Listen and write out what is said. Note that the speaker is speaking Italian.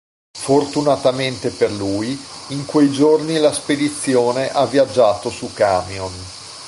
Fortunatamente per lui, in quei giorni la spedizione ha viaggiato su camion.